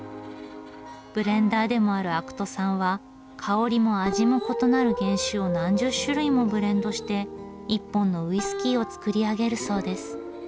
ブレンダーでもある肥土さんは香りも味も異なる原酒を何十種類もブレンドして一本のウイスキーを造り上げるそうです。